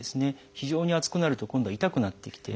非常に厚くなると今度は痛くなってきて。